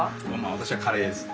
私はカレーですね。